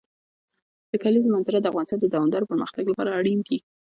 د کلیزو منظره د افغانستان د دوامداره پرمختګ لپاره اړین دي.